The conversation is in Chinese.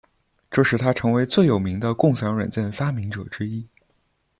这使他成为最有名的共享软件发明者之一。